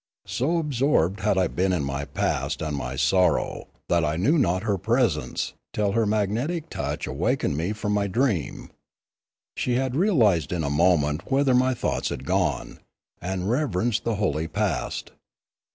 So absorbed had I been in my past and my sorrow that I knew not her presence till her magnetic touch awakened me from my dream. She had realised in a moment whither my thoughts had gone, and reverenced the holy past.